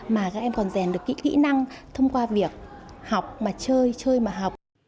mà các em còn rèn được kỹ năng thông qua việc học mà chơi chơi mà học